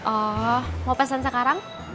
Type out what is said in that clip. oh mau pesan sekarang